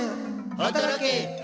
働け！